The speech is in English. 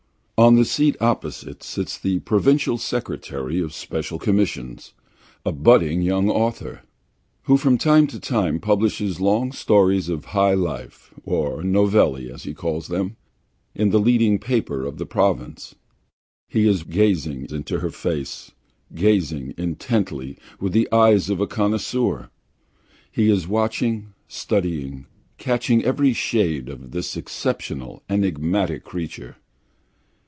On the seat opposite sits the Provincial Secretary of Special Commissions, a budding young author, who from time to time publishes long stories of high life, or "Novelli" as he calls them, in the leading paper of the province. He is gazing into her face, gazing intently, with the eyes of a connoisseur. He is watching, studying, catching every shade of this exceptional, enigmatic nature.